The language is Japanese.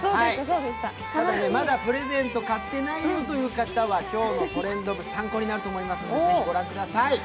ただね、まだプレゼント買ってないよという方は今日の「トレンド部」参考になると思いますので、ぜひ御覧ください。